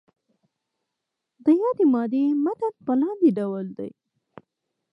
د یادې مادې متن په لاندې ډول دی.